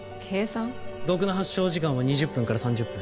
毒の発症時間は２０分から３０分。